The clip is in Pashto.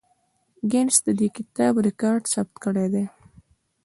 ګینس د دې کتاب ریکارډ ثبت کړی دی.